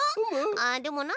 あでもな